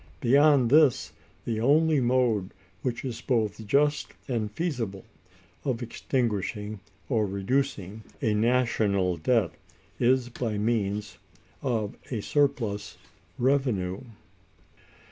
Beyond this, the only mode which is both just and feasible, of extinguishing or reducing a national debt, is by means of a surplus revenue.